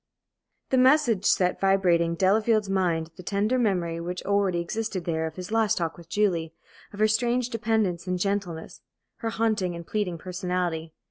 The message set vibrating in Delafield's mind the tender memory which already existed there of his last talk with Julie, of her strange dependence and gentleness, her haunting and pleading personality.